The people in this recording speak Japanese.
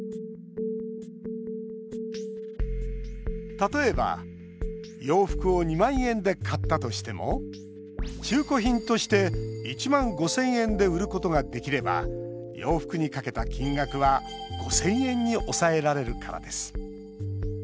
例えば洋服を２万円で買ったとしても中古品として１万５０００円で売ることができれば洋服にかけた金額は５０００円に抑えられるからです。